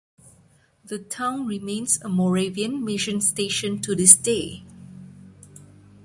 The town remains a Moravian mission station to this day.